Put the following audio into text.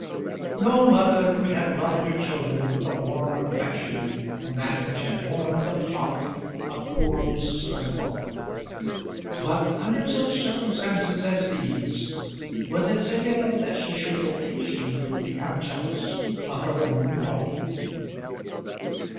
No mother could have loved her children with a warmer affection than that which had warmed the heart of poor Mrs. Furnival; but under such circumstances as these was it singular that she should occasionally become jealous of her own daughter?